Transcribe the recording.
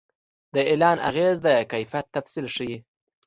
د اعلان اغېز د کیفیت تفصیل ښيي.